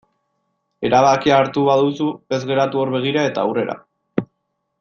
Erabakia hartu baduzu ez geratu hor begira eta aurrera.